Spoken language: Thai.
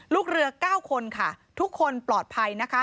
ลูกเรือ๙คนค่ะทุกคนปลอดภัยนะคะ